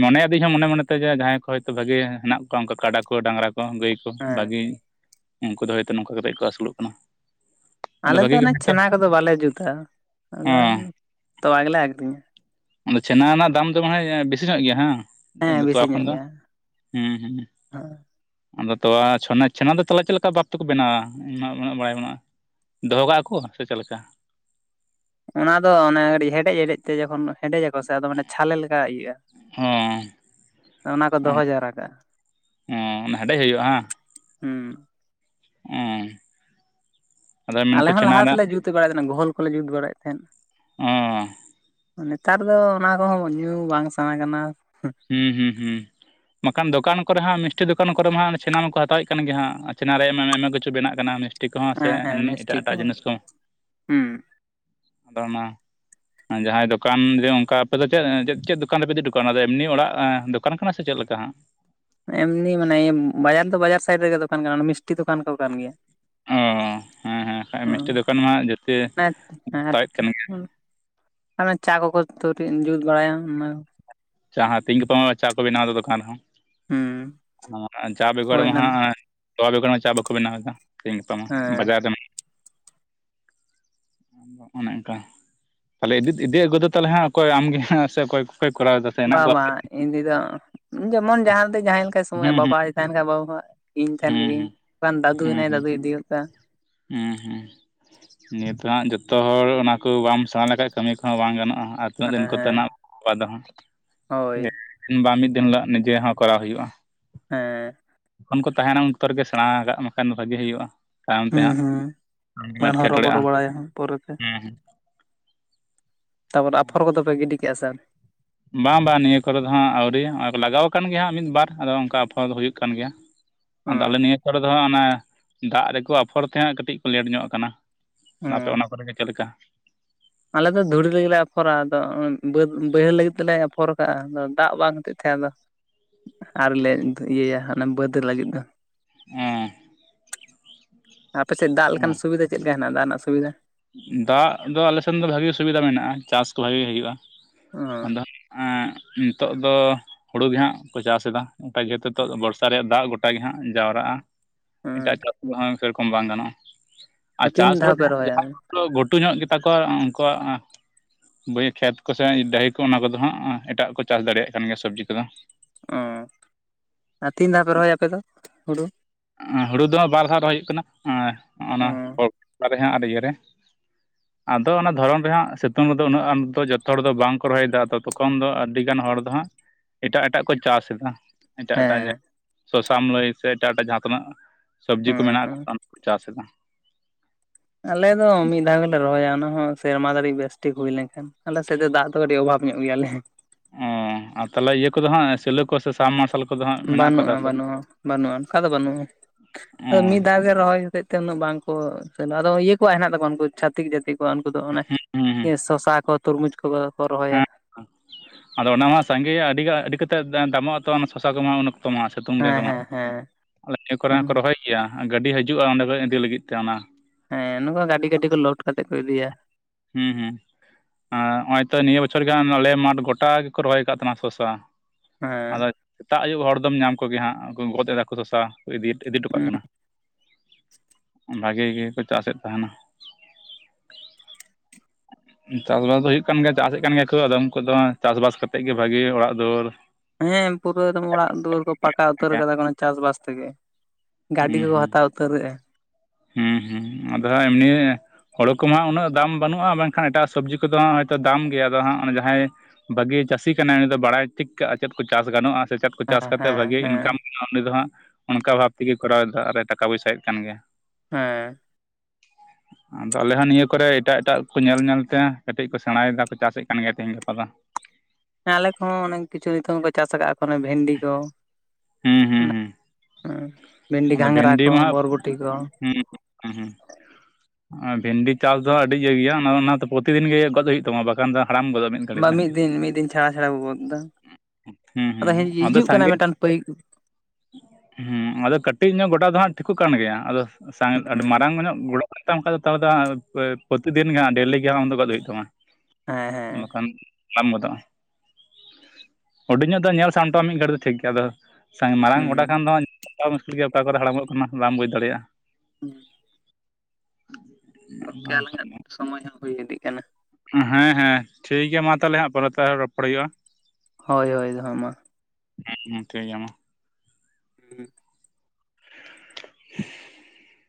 ᱢᱚᱱᱮᱭᱫᱤᱧ ᱦᱚᱸ ᱢᱚᱱᱮ ᱢᱚᱱᱮᱛᱮ ᱡᱟᱦᱟᱸᱭ ᱠᱚ ᱦᱚᱭᱛᱳ ᱵᱷᱟᱜᱤ ᱦᱮᱱᱟᱜ ᱠᱚᱣᱟ ᱚᱱᱠᱟ ᱠᱟᱰᱟ ᱠᱚ, ᱰᱟᱝᱨᱟ ᱠᱚ, ᱜᱟᱹᱭ ᱠᱚ, ᱦᱮᱸ ᱵᱷᱟᱜᱤ ᱩᱱᱠᱩ ᱫᱚ ᱦᱚᱭᱛᱚ ᱱᱚᱝᱠᱟ ᱠᱟᱛᱮᱫ ᱠᱚ ᱟᱹᱥᱩᱞᱚᱜ ᱠᱟᱱᱟ᱾ ᱟᱫᱚ ᱟᱞᱮ ᱫᱚ ᱵᱷᱟᱜᱤ ᱜᱮ ᱚᱱᱮ ᱦᱳᱭᱛᱳ ᱪᱷᱮᱱᱟ ᱠᱚᱫᱚ ᱵᱟᱞᱮ ᱡᱩᱛᱼᱟ ᱚ ᱟᱫᱚ ᱛᱚᱣᱟ ᱜᱮᱞᱮ ᱟᱠᱷᱨᱤᱧᱟ᱾ ᱟᱫᱚ ᱪᱷᱮᱱᱟ ᱨᱮᱱᱟᱜ ᱫᱟᱢ ᱫᱚ ᱢᱟᱱᱮ ᱵᱮᱥᱤ ᱧᱚᱜ ᱜᱮᱭᱟ ᱵᱟᱝ ᱦᱮᱸ ᱵᱮᱥᱤ ᱛᱚᱭᱟ ᱠᱷᱚᱱ ᱧᱚᱜ ᱫᱚ ᱜᱮᱭᱟ ᱦᱮᱸᱼ ᱦᱮᱸ ᱟᱫᱚ ᱛᱚᱣᱟ ᱪᱷᱱᱟ ᱪᱷᱟᱱᱟ ᱫᱚ ᱛᱟᱞᱟ ᱪᱮᱫ ᱞᱮᱠᱟ ᱵᱷᱟᱵᱽ ᱛᱮᱠᱚ ᱵᱮᱱᱟᱣᱼᱟ ᱩᱱᱟᱹᱜ ᱵᱟᱲᱟᱭ ᱢᱮᱱᱟᱜᱼᱟᱼᱼ ᱫᱚᱦᱚ ᱠᱟᱜᱼᱟ ᱠᱚ ᱥᱮ ᱪᱮᱫ ᱞᱮᱠᱟ? ᱚᱱᱟ ᱫᱚ ᱚᱱᱮ ᱦᱮᱰᱮᱡ-ᱦᱮᱰᱮᱡ ᱛᱮ ᱡᱚᱠᱷᱚᱱ ᱦᱮᱰᱮᱡ ᱟᱠᱚ ᱥᱮ ᱟᱫᱚ ᱢᱟᱱᱮ ᱪᱷᱟᱞᱮ ᱞᱮᱠᱟ ᱤᱭᱟᱹᱜᱼᱟ᱾ ᱦᱚᱸ᱾ ᱚᱱᱟ ᱠᱚ ᱫᱚᱦᱚ ᱡᱟᱣᱨᱟ ᱠᱟᱜᱼᱟ᱾ ᱚ ᱚᱱᱟ ᱦᱮᱰᱮᱡ ᱦᱩᱭᱩᱜᱼᱟ? ᱦᱩᱸ᱾ ᱚᱸ ᱟᱞᱮ ᱦᱚᱸ ᱞᱟᱦᱟ ᱛᱮᱞᱮ ᱡᱩᱛ ᱵᱟᱲᱟᱭ ᱛᱟᱦᱮᱱᱟ ᱜᱷᱳᱚᱞ ᱠᱚᱞᱮ ᱡᱩᱛ ᱵᱟᱲᱟᱭᱮᱫ ᱛᱟᱦᱮᱸᱫ᱾ ᱚᱸ ᱱᱮᱛᱟᱨ ᱫᱚ ᱚᱱᱟ ᱠᱚᱦᱚᱸ ᱧᱩ ᱵᱟᱝ ᱥᱟᱱᱟ ᱠᱟᱱᱟ᱾ ᱦᱩᱸ - ᱦᱩᱸ - ᱦᱩᱸ ᱵᱟᱠᱷᱟᱱ ᱫᱚᱠᱟᱱ ᱠᱚᱨᱮ ᱦᱟᱸᱜ ᱢᱤᱥᱴᱤ ᱫᱚᱠᱟᱱ ᱠᱚᱨᱮ ᱢᱟ ᱢᱩᱥᱠᱤᱞ ᱫᱚᱠᱟᱱ ᱠᱨᱮᱦᱟᱸᱜ ᱪᱮᱱᱟ ᱢᱟ ᱠᱚ ᱦᱟᱛᱟᱣᱮᱫ ᱠᱟᱱ ᱜᱮᱭᱟ, ᱦᱟᱸᱜ ᱪᱮ ᱨᱮᱭᱟᱜ ᱮᱢ ᱟᱭᱢᱟ ᱠᱤᱪᱷᱩ ᱵᱮᱱᱟᱜ ᱠᱟᱱᱟ ᱴᱤ ᱠᱚᱦᱚᱸ ᱥᱮ ᱦᱮᱸ ᱦᱮᱸ ᱮᱢᱱᱤ ᱮᱴᱟᱜ ᱢᱤᱥᱴᱤ ᱷᱴ - ᱠᱚ ᱮᱴᱟᱜ ᱡᱤᱱᱤᱥ ᱠᱚᱦᱚᱸ ᱦᱩᱸ ᱟᱫᱚ ᱚᱱᱟ ᱡᱟᱦᱟᱸᱭ ᱫᱚᱠᱟᱱ ᱨᱮ ᱚᱱᱠᱟ ᱟᱯᱮ ᱫᱚ ᱪᱮᱫ-ᱪᱮᱫ ᱫᱚᱠᱟᱱ ᱨᱮᱯᱮ ᱤᱫᱤ ᱦᱚᱴᱚ ᱠᱟᱜᱼᱟ ᱚᱱᱟ ᱮᱢᱱᱤ ᱚᱲᱟᱜ ᱫᱚᱠᱟᱱ ᱠᱟᱱᱟ, ᱥᱮ ᱪᱮᱫ ᱞᱮᱠᱟ ᱦᱟᱸᱜ? ᱮᱢᱱᱤ ᱢᱟᱱᱮᱤ ᱭᱟᱹ ᱵᱟᱡᱟᱨ ᱫᱚ ᱵᱟᱡᱟᱨ ᱥᱟᱭᱤᱰ ᱨᱮᱜᱮ ᱫᱚᱠᱟᱱ ᱠᱟᱱᱟ ᱢᱤᱥᱴᱤ ᱫᱚᱠᱟᱱ ᱠᱚ ᱠᱟᱱ ᱜᱮᱭᱟ᱾ ᱚ ᱦᱮᱸ᱾ ᱦᱮᱸ ᱢᱤᱥᱴᱤ ᱫᱚᱠᱟᱱ ᱢᱟ ᱡᱟᱹᱛᱤ ᱠᱟᱱ ᱜᱮᱭᱟ᱾ ᱟᱨ ᱪᱟ ᱠᱚᱠᱚ ᱛ ᱡᱩᱛ ᱵᱟᱲᱟᱭᱟ ᱚᱱᱟᱼᱼ ᱪᱟ ᱛ ᱛᱮᱦᱤᱧ ᱜᱟᱯᱟ ᱪᱟ ᱠᱚ ᱵᱮᱱᱟᱣ ᱮᱫᱟ ᱫᱚᱠᱟᱱ ᱨᱮᱦᱚᱸ ᱦᱩᱸ ᱪᱟ ᱵᱮᱜᱚᱨ ᱦᱳᱭ ᱢᱟ ᱚᱱᱟ ᱦᱟᱸᱜ ᱛᱚᱣᱟ ᱵᱮᱜᱚᱨ ᱢᱟ ᱪᱟ ᱵᱟᱠᱚ ᱵᱮᱱᱟᱣ ᱟᱱᱟᱜ ᱛᱮᱦᱮᱧ ᱜᱟᱯᱟ ᱢᱟ, ᱦᱮᱸ ᱵᱟᱡᱟᱨ ᱨᱮ ᱚᱱᱮ ᱚᱱᱠᱟ ᱛᱟᱦᱚᱞᱮ ᱤᱫᱤ ᱤᱫᱤ ᱟᱹᱜᱩ ᱫᱚ ᱛᱟᱦᱚᱞᱮ ᱦᱜ ᱚᱠᱚᱭ ᱟᱢᱜᱮ ᱦᱮᱜ ᱥᱮ ᱚᱠᱚᱭ ᱠᱚ ᱠᱚᱭ ᱠᱚᱨᱟᱣ ᱫᱟ᱾ ᱵᱟᱝ ᱵᱟᱝ ᱤᱧ ᱫᱚ ᱡᱮᱢᱚᱱ ᱡᱟᱦᱟᱸ ᱫᱚ ᱡᱟᱦᱟᱸᱭ ᱞᱮᱠᱟ ᱦᱩᱸ ᱥᱚᱢᱚᱭᱼᱟ ᱦᱩᱸ ᱵᱟᱵᱟᱭ ᱛᱟᱦᱮᱱ ᱠᱷᱟ ᱵᱟᱵᱟ ᱤᱧ ᱛᱟᱦᱮᱱ ᱦᱩᱸ ᱦᱩᱸ ᱜᱮᱤᱭᱟᱹᱧᱟᱱ ᱫᱟᱫᱩ ᱦᱩᱸ ᱦᱮᱱᱟᱭᱼᱟ, ᱦᱩᱸ ᱫᱟᱫᱩ ᱤᱫᱤ ᱦᱩᱭᱩᱜᱟ᱾ ᱦᱩᱸ - ᱦᱩᱸ ᱱᱤᱛᱚᱜ ᱦᱟᱸᱜ ᱡᱚᱛᱚ ᱦᱚᱲ ᱚᱱᱟ ᱠᱚ ᱵᱟᱢ ᱥᱮᱬᱟ ᱞᱮᱠᱷᱟᱡ ᱠᱟᱹᱢᱤ ᱠᱚ ᱦᱚᱸ ᱵᱟᱝ ᱜᱟᱱᱚᱜᱼᱟ ᱟᱨ ᱛᱤᱱᱟᱹᱜ ᱫᱤᱱ ᱦᱮᱸ ᱠᱚ ᱦᱮᱸ ᱛᱟᱦᱮᱸᱱᱟ (unintelligible) ᱦᱳᱭ᱾ ᱵᱟᱝ ᱢᱤᱫ ᱫᱤᱱ ᱦᱤᱞᱳᱜ ᱱᱤᱡᱮ ᱦᱚᱸ ᱠᱚᱨᱟᱣ ᱦᱩᱭᱩᱜᱼᱟ᱾ ᱦᱮᱸ᱾ ᱡᱚᱠᱷᱚᱱ ᱠᱚ ᱛᱟᱦᱮᱸᱱᱟ ᱩᱱ ᱚᱠᱛᱚ ᱨᱮᱜᱮ ᱥᱮᱬᱟ ᱠᱟᱜ ᱱᱟᱠᱷᱟᱱ ᱵᱷᱟᱜᱤ ᱦᱩᱭᱩᱜᱼᱟ᱾ ᱛᱟᱭᱚᱢ ᱛᱮ ᱦᱩᱸ ᱦᱟᱸᱜ ᱦᱩᱸ ᱟᱢ ᱜᱮᱢ ᱵᱟᱝᱠᱷᱟᱱ ᱮᱴᱠᱮᱴᱚᱬᱮᱜᱼᱟ ᱦᱚᱨᱚᱵᱚᱨᱚ ᱵᱟᱲᱟᱭᱟ ᱯᱚᱨᱮᱛᱮ ᱦᱩᱸ᱾ ᱛᱟᱯᱚᱨ ᱟᱯᱷᱚᱨ ᱠᱚᱫᱚᱯᱮ ᱜᱤᱰᱤ ᱠᱮᱫᱟ ᱥᱮ ᱟᱣᱨᱤ? ᱵᱟᱝ ᱵᱟᱝ ᱱᱤᱭᱟᱹ ᱠᱚᱨᱮ ᱫᱚ ᱦᱟᱸᱜ ᱟᱹᱣᱨᱤ ᱦᱚᱸᱜ-ᱚᱭ ᱠᱚ ᱞᱟᱜᱟᱣ ᱠᱟᱱ ᱜᱮᱭᱟ ᱦᱟᱸᱜ ᱢᱤᱫ ᱵᱟᱨ ᱟᱫᱚ ᱚᱱᱠᱟ ᱟᱯᱷᱚᱨ ᱫᱚ ᱦᱩᱭᱩᱜ ᱠᱟᱱ ᱜᱮᱭᱟ᱾ ᱟᱫᱚ ᱦᱩᱸ ᱟᱞᱮ ᱱᱤᱭᱟᱹ ᱠᱚᱨᱮ ᱫᱚ ᱦᱟᱸᱜ ᱚᱱᱮ ᱫᱟᱜ ᱨᱮᱠᱚ ᱟᱯᱷᱚᱨ ᱛᱮᱦᱮᱸᱜ ᱠᱟᱹᱴᱤᱡ ᱠᱚ ᱞᱮᱴ ᱧᱚᱜ ᱟᱠᱟᱱᱟ᱾ ᱟᱯᱮ ᱦᱩᱸ ᱚᱱᱟ ᱠᱚᱨᱮ ᱜᱮ ᱪᱮᱫ ᱞᱮᱠᱟ? ᱟᱞᱮ ᱫᱚ ᱫᱷᱩᱲᱤ ᱞᱟᱹᱜᱤᱫ ᱞᱮ ᱟᱯᱷᱚᱨᱟ, ᱟᱫᱚ ᱵᱟᱹᱫᱽ ᱵᱟᱹᱭᱦᱟᱹᱲ ᱞᱟᱹᱜᱤᱫ ᱛᱮᱞᱮ ᱟᱯᱷᱚᱨ ᱠᱟᱜᱼᱟ ᱟᱫᱚ ᱫᱟᱜ ᱵᱟᱝ ᱦᱚᱛᱮᱸ ᱛᱮ ᱟᱫᱚ (inaudible) ᱟᱨᱞᱮ ᱤᱭᱟᱹᱭᱟ ᱦᱟᱸᱜ ᱚᱱᱟ ᱵᱟᱹᱫᱽ ᱞᱟᱹᱜᱤᱫ ᱫᱚ᱾ ᱮᱸ᱾ ᱟᱯᱮᱥᱮᱫ ᱫᱟᱜ ᱞᱮᱠᱟᱱ ᱥᱩᱵᱤᱫᱟ ᱪᱮᱫ ᱞᱮᱠᱟ ᱦᱮᱱᱟᱜ ᱫᱟᱜ ᱨᱮᱱᱟᱜ ᱥᱩᱵᱤᱫᱷᱟ? ᱫᱟᱜ ᱫᱚ ᱟᱞᱮ ᱥᱮᱱ ᱫᱚ ᱵᱷᱟᱜᱮ ᱥᱩᱵᱤᱫᱟ ᱢᱮᱱᱟᱜᱼᱟ, ᱪᱟᱥ ᱠᱚ ᱵᱷᱟᱜᱮ ᱦᱩᱭᱩᱜᱼᱟ᱾ ᱚ ᱟᱫᱚ ᱮᱸᱜ ᱱᱤᱛᱚᱜ ᱫᱚ ᱦᱳᱲᱳ ᱜᱮ ᱦᱟᱸᱜ ᱠᱚ ᱪᱟᱥ ᱮᱫᱟ ᱚᱱᱠᱟ ᱤᱭᱟᱹ ᱛᱮ ᱫᱚ ᱵᱚᱨᱥᱟ ᱨᱮᱭᱟᱜ ᱫᱟᱜ ᱜᱚᱴᱟ ᱜᱮ ᱦᱟᱸᱜ ᱡᱟᱣᱨᱟᱜᱼᱟ, ᱦᱮᱸ ᱮᱴᱟᱜ ᱪᱟᱥ ᱠᱚ ᱦᱚᱸ ᱥᱮᱨᱚᱠᱚᱢ ᱵᱟᱝ ᱜᱟᱱᱚᱜᱼᱟ, ᱟᱨ ᱛᱤᱱ ᱪᱟᱥ ᱫᱷᱟᱣ ᱯᱮ (unintelligible) ᱨᱚᱦᱚᱭᱟ ᱛᱚ ᱜᱷᱩᱴᱩ ᱧᱚᱜ ᱜᱮᱛᱟᱠᱚᱣᱟ ᱩᱱᱠᱩᱣᱟᱜ ᱟᱸ ᱵᱟᱹᱭᱦᱟᱹᱲ ᱠᱷᱮᱛ ᱠᱚ ᱥᱮ ᱰᱟᱹᱦᱤ ᱠᱚ ᱚᱱᱟ ᱠᱚᱫᱚ ᱦᱟᱸᱜ ᱮᱴᱟᱜ ᱠᱚ ᱪᱟᱥ ᱫᱟᱲᱮᱭᱟᱜ ᱠᱟᱱ ᱜᱮᱭᱟ ᱥᱚᱵᱽᱡᱤ ᱠᱚᱫᱚ᱾ ᱚᱸ ᱟᱨ ᱛᱤᱱ ᱫᱷᱟᱣ ᱯᱮ ᱨᱚᱦᱚᱭᱟ ᱟᱯᱮ ᱫᱚ ᱦᱩᱲᱩ? ᱦᱩᱲᱩ ᱫᱚ ᱵᱟᱨ ᱫᱷᱟᱣ ᱨᱚᱦᱚᱭ ᱦᱩᱭᱩᱜ ᱠᱟᱱᱟ, ᱚᱸ ᱚ ᱚᱱᱟ (unintelligible) ᱨᱮ ᱟᱨ ᱤᱭᱮ ᱨᱮ᱾ (inaudible) ᱟᱫᱚ ᱚᱱᱟ ᱫᱷᱚᱨᱚᱢ ᱨᱮᱦᱟᱸᱜ ᱥᱤᱛᱩᱝ ᱨᱮᱫᱚ ᱩᱱᱟᱹᱜ ᱟᱸᱴ ᱫᱚ ᱡᱚᱛᱚ ᱦᱚᱲ ᱫᱚ ᱵᱟᱝᱠᱚ ᱨᱚᱦᱚᱭ ᱫᱟ, ᱟᱫᱚ ᱛᱚᱠᱷᱚᱱ ᱫᱚ ᱟᱹᱰᱤ ᱜᱟᱱ ᱦᱚᱲ ᱫᱚ ᱦᱟᱸᱜ ᱮᱴᱟᱜ ᱮᱴᱟᱜ ᱠᱚ ᱪᱟᱥ ᱮᱫᱟ, ᱮᱴᱟᱜ ᱮᱴᱟᱜ ᱡᱟ ᱦᱮᱸ ᱥᱚᱥᱟᱢ ᱞᱟᱹᱭ ᱥᱮ ᱮᱴᱟᱜ ᱮᱴᱟᱜ ᱡᱟᱦᱟᱸ ᱛᱤᱱᱟᱹᱜ ᱥᱚᱵᱽᱡᱤ ᱠᱚ ᱦᱩᱸ ᱢᱮᱱᱟᱜ ᱦᱩᱸ ᱟᱠᱟᱫᱟ ᱠᱚ ᱪᱟᱥ ᱮᱫᱟ᱾ ᱟᱞᱮ ᱫᱚ ᱢᱤᱫ ᱫᱷᱟᱣ ᱜᱮᱞᱮ ᱨᱚᱦᱚᱭᱟ ᱚᱱᱟ ᱦᱚᱸ ᱥᱮᱨᱢᱟ ᱡᱟᱹᱨᱤᱡ ᱵᱮᱥᱴᱷᱤᱠ ᱦᱩᱭ ᱞᱮᱱᱠᱷᱟᱱ᱾ ᱟᱞᱮ ᱥᱮᱫ ᱫᱚ ᱫᱟᱜ ᱫᱚ ᱠᱟᱹᱴᱤᱡ ᱚᱵᱷᱟᱵ ᱧᱚᱜ ᱜᱮᱭᱟᱞᱮ᱾ ᱚᱸ ᱟᱨ ᱛᱟᱦᱚᱞᱮ ᱤᱭᱟᱹ ᱠᱚᱫᱚ ᱦᱟᱸᱜ ᱥᱤᱞᱳᱸᱠᱚ ᱥᱮ ᱥᱟᱢᱟᱨᱥᱟᱞ ᱵᱟᱹᱱᱩᱜᱼᱟ ᱵᱟᱹᱱᱩᱜᱼᱟ ᱵᱟᱹᱱᱩᱜᱼᱟ ᱚᱱᱠᱟ ᱫᱚ ᱵᱟᱹᱱᱩᱜᱼᱟ, ᱟᱫᱚ ᱚ ᱢᱤᱫ ᱫᱷᱟᱣ ᱜᱮ ᱨᱚᱦᱚᱭ ᱦᱚᱛᱮᱫ ᱛᱮ ᱩᱱᱟᱹᱜ ᱵᱟᱝᱠᱚ ᱥᱮᱱᱚᱜᱼᱟ ᱟᱫᱚ ᱤᱭᱟᱹ ᱠᱚᱣᱟᱜ ᱦᱮᱱᱟᱜ ᱛᱟᱠᱚᱣᱟ ᱩᱱᱠᱩ ᱪᱷᱟᱛᱤᱠ ᱡᱟᱹᱛᱤ ᱠᱚᱣᱟᱜ ᱩᱱᱠᱩ ᱫᱚ ᱚᱱᱮ ᱦᱩᱸ ᱦᱩᱸ ᱥᱚᱥᱟ ᱠᱚ, ᱛᱩᱨᱢᱩᱡᱽ ᱠᱚ ᱠᱚ ᱨᱚᱦᱚᱭᱟ᱾ ᱦᱮᱸ ᱟᱫᱚ ᱚᱱᱟ ᱢᱟ ᱥᱟᱸᱜᱮ ᱟᱹᱰᱤ ᱜᱮ ᱟᱹᱰᱤ ᱠᱟᱛᱮᱫ ᱫᱟᱢᱚᱜ ᱟᱛᱚ ᱚᱱᱟ ᱥᱚᱥᱟ ᱠᱚᱢᱟ ᱩᱱ ᱚᱠᱛᱚ ᱢᱟ ᱥᱤᱛᱩᱝ ᱦᱮᱸ ᱫᱤᱱ ᱨᱮᱢᱟ, ᱦᱮᱸ ᱦᱮᱸ ᱟᱞᱮ ᱱᱤᱭᱟᱹ ᱠᱚᱨᱮ ᱦᱚᱸᱠᱚ ᱨᱚᱦᱚᱭ ᱜᱮᱭᱟ ᱜᱟᱹᱰᱤ ᱦᱤᱡᱩᱜᱼᱟ ᱚᱸᱰᱮ ᱫᱚ ᱤᱫᱤ ᱞᱟᱹᱜᱤᱫ ᱛᱮ ᱚᱱᱟ ᱦᱮᱸ ᱱᱚᱝᱠᱟ ᱜᱟᱹᱰᱤ ᱜᱟᱹᱰᱤ ᱠᱚ ᱞᱳᱰ ᱠᱟᱛᱮ ᱠᱚ ᱤᱫᱤᱭᱟ᱾ ᱦᱩᱸ ᱦᱩᱸ, ᱟ ᱱᱚᱜ-ᱚᱭ ᱛᱚ ᱱᱤᱭᱟᱹ ᱵᱚᱪᱷᱚᱨ ᱜᱟᱱ ᱟᱞᱮ ᱢᱟᱴᱷ ᱜᱚᱴᱟ ᱜᱮᱠᱚ ᱨᱚᱦᱚᱭ ᱠᱟᱫ ᱛᱟᱦᱮᱱᱟ ᱥᱚᱥᱟ, ᱟᱫᱚ ᱦᱮᱸ ᱥᱮᱛᱟᱜ ᱟᱹᱭᱩᱵ ᱦᱚᱲ ᱫᱚᱢ ᱧᱟᱢ ᱠᱚᱜᱮ ᱦᱟᱸᱜ ᱩᱱᱠᱩ ᱜᱚᱫ ᱮᱫᱟᱠᱚ ᱥᱚᱥᱟ ᱠᱚ ᱤᱫᱤ ᱤᱫᱤ ᱦᱚᱴᱚ ᱠᱟᱜ ᱠᱟᱱᱟ᱾ ᱵᱷᱟᱜᱤ ᱜᱮᱠᱚ ᱪᱟᱥᱮᱫ ᱛᱟᱦᱮᱸᱱᱟ᱾ ᱪᱟᱥᱵᱟᱥ ᱫᱚ ᱦᱩᱭᱩᱜ ᱠᱟᱱ ᱜᱮᱭᱟ, ᱪᱟᱥᱮᱫ ᱠᱟᱱ ᱜᱮᱭᱟ ᱠᱚ ᱟᱫᱚ ᱩᱱᱠᱩ ᱫᱚ ᱪᱟᱥ ᱵᱟᱥ ᱠᱟᱛᱮᱫ ᱜᱮ ᱵᱷᱟᱜᱤ ᱚᱲᱟᱜ ᱫᱩᱣᱟᱹᱨ᱾ ᱦᱮᱸ ᱯᱩᱨᱟᱹ ᱮᱠᱫᱚᱢ ᱚᱲᱟᱜ ᱫᱩᱣᱟᱹᱨ ᱠᱚ ᱯᱟᱠᱟ ᱩᱛᱟᱹᱨ ᱠᱟᱫᱟ ᱠᱚ ᱦᱟᱸᱜ ᱪᱟᱥᱵᱟᱥ ᱛᱮᱜᱮ᱾ ᱜᱟᱹᱰᱤ ᱦᱩᱸ ᱠᱚᱠᱚ ᱦᱩᱸ ᱦᱟᱛᱟᱣ ᱩᱛᱟᱹᱨᱮᱜ-ᱟ᱾ ᱦᱩᱸ ᱦᱩᱸ, ᱟᱫᱚ ᱦᱟᱸᱜ ᱮᱢᱱᱤ ᱦᱩᱲᱩ ᱠᱚᱢᱟ ᱩᱱᱟᱹᱜ ᱫᱟᱢ ᱵᱟᱹᱱᱩᱜᱼᱟ ᱢᱮᱱᱠᱷᱟᱱ ᱮᱴᱟᱜ ᱥᱚᱵᱽᱡᱤ ᱠᱚᱫᱚ ᱦᱟᱸᱜ ᱦᱚᱭᱛᱳ ᱫᱟᱢ ᱜᱮᱭᱟ ᱟᱫᱚ ᱦᱟᱸᱜ ᱚᱱᱮ ᱡᱟᱦᱟᱸᱭ ᱵᱟᱹᱜᱤ ᱪᱟᱥᱤ ᱠᱟᱱᱟᱭ ᱩᱱᱤ ᱫᱚ ᱵᱟᱲᱟᱭ ᱴᱷᱤᱠ ᱠᱟᱜᱼᱟ ᱪᱮᱫ ᱠᱚ ᱪᱟᱥ ᱜᱟᱱᱚᱜᱼᱟ ᱥᱮ ᱪᱮᱫ ᱠᱚ ᱦᱮᱸ ᱪᱟᱥ ᱠᱟᱛᱮᱫ ᱦᱮᱸ ᱵᱷᱟᱹᱜᱮ ᱦᱮᱸ ᱤᱱᱠᱟᱢ (unintelligible) ᱚᱸᱰᱮ ᱫᱚ ᱦᱟᱸᱜ ᱚᱱᱠᱟ ᱵᱷᱟᱵ ᱛᱮᱜᱮ ᱠᱚᱨᱟᱣᱮᱫᱟ ᱟᱨ ᱴᱟᱠᱟ ᱯᱚᱭᱥᱟᱭᱮᱫ ᱠᱟᱱ ᱜᱮᱭᱟ᱾ ᱦᱮᱸ᱾ (inaudible) ᱟᱫᱚ ᱟᱞᱮ ᱦᱚᱸ ᱱᱤᱭᱟᱹ ᱠᱚᱨᱮ ᱮᱴᱟᱜ ᱮᱴᱟᱜ ᱠᱚ ᱧᱮᱞ ᱧᱮᱞᱛᱮ ᱠᱟᱹᱴᱤᱡ ᱠᱚ ᱥᱮᱬᱟᱭᱮᱫᱟ ᱠᱚ, ᱪᱟᱥᱮᱫ ᱠᱟᱱ ᱜᱮᱭᱟ ᱠᱚ ᱛᱮᱦᱤᱧ ᱜᱟᱯᱟ ᱫᱚ᱾ ᱦᱮᱸ ᱟᱞᱮ ᱠᱚᱦᱚᱸ ᱚᱱᱮ ᱠᱤᱪᱷᱩ ᱱᱤᱛᱚᱝ ᱦᱚᱸᱠᱚ ᱪᱟᱥ ᱟᱠᱟᱫ - ᱟ, ᱵᱷᱮᱱᱰᱤ ᱠᱚ ᱦᱩᱸ ᱦᱩᱸ ᱦᱩᱸ ᱦᱮᱸ ᱵᱷᱤᱱᱰᱤ ᱜᱷᱟᱸᱝᱜᱽᱨᱟ ᱠᱚ, ᱵᱚᱨᱵᱚᱴᱤ ᱠᱚ, ᱦᱮᱸ ᱦᱚᱸ ᱦᱩᱸ ᱦᱩᱸ᱾ ᱵᱷᱤᱱᱰᱤ ᱪᱟᱥ ᱫᱚ ᱟᱹᱰᱤ ᱤᱭᱟᱹ ᱜᱮᱭᱟ ᱚᱱᱟ ᱫᱚ ᱚᱱᱟᱛᱮ ᱯᱚᱛᱤᱫᱤᱱ ᱜᱮ ᱜᱳᱫ ᱦᱩᱭᱩᱜ ᱛᱟᱢᱟ, ᱵᱟᱠᱷᱟᱱ ᱫᱚ ᱦᱟᱲᱟᱢ ᱜᱚᱫᱚᱜ ᱢᱤᱫ ᱜᱷᱟᱹᱲᱤᱡ ᱵᱟ ᱛᱮ ᱢᱤᱫ ᱫᱤᱱ ᱢᱤᱫ ᱫᱤᱱ ᱪᱷᱟᱲᱟ ᱪᱷᱟᱲᱟ ᱵᱚ ᱵᱚᱫ ᱮᱫᱟ, ᱦᱩᱸ ᱟᱫᱚ ᱦᱩᱸ ᱦᱤᱡᱩᱜ ᱠᱟᱱᱟ ᱢᱤᱫᱴᱟᱝ ᱯᱟᱹᱭᱠ ᱦᱮᱸ ᱟᱫᱚ ᱠᱟᱹᱴᱤᱡ ᱧᱚᱜ ᱜᱚᱴᱟ ᱫᱚ ᱦᱟᱸᱜ ᱴᱷᱤᱠᱚᱜ ᱠᱟᱱ ᱜᱮᱭᱟ, ᱟᱫᱚ ᱥᱟᱜ ᱟᱹᱰᱤ ᱢᱟᱨᱟᱝ ᱧᱚᱜ ᱜᱚᱲ ᱠᱟᱱᱛᱟᱢ ᱛᱟᱞᱦᱮ ᱫᱚ ᱯᱚᱛᱤᱫᱤᱱ ᱜᱟᱱ ᱰᱮᱞᱤ ᱼ ᱚᱱᱟᱫᱚ ᱜᱚᱫᱽᱦᱩᱭᱩᱜ ᱛᱟᱢᱟ, ᱦᱮᱸ ᱦᱮᱸ ᱵᱟᱠᱷᱟᱱ ᱤᱭᱟᱹ ᱵᱟᱝ ᱵᱟᱫᱚᱜᱼᱟ᱾ ᱦᱩᱰᱤᱧ ᱧᱚᱜ ᱫᱚ ᱧᱮᱞ ᱥᱟᱢᱴᱟᱣ ᱢᱤᱫ ᱜᱷᱟᱹᱲᱤ ᱨᱮ ᱴᱷᱤᱠ ᱜᱮᱭᱟ, ᱟᱫᱚ ᱢᱟᱨᱟᱝ ᱦᱩᱸ ᱜᱚᱰᱟ ᱠᱷᱟᱱ ᱫᱚ ᱧᱮᱞᱥᱟᱢ ᱴᱟᱣ ᱢᱩᱥᱠᱤᱞ ᱜᱮᱭᱟ᱾ ᱚᱠᱟ ᱠᱚᱨᱮ ᱦᱟᱲᱟᱢᱚᱜ ᱠᱟᱱᱟ ᱵᱟᱢ ᱵᱩᱡᱽ ᱫᱟᱲᱮᱭᱟᱜᱼᱟ᱾ ᱦᱩᱸ ᱵᱟᱝ ᱟᱞᱟᱝᱟᱜ ᱠᱷᱟᱱ ᱥᱚᱢᱚᱭ ᱦᱚᱸ ᱦᱩᱭ ᱤᱫᱤᱜ ᱠᱟᱱᱟ ᱫᱚ ᱦᱮᱸ ᱦᱮᱸ ᱴᱷᱤᱠ ᱜᱮᱭᱟ ᱢᱟ ᱛᱟᱞᱦᱮ ᱦᱟᱸᱜ ᱯᱚᱨᱮ ᱛᱮ ᱨᱚᱯᱚᱲ ᱦᱩᱭᱩᱜᱼᱟ᱾ ᱦᱳᱭ ᱦᱳᱭ ᱫᱚ ᱢᱟ ᱦᱮᱸ ᱦᱮᱸ ᱴᱷᱤᱠ ᱜᱮᱭᱟ ᱢᱟ᱾ ᱦᱩᱸ (unintelligible)